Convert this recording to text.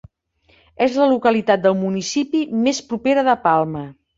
És la localitat del municipi més propera de Palma.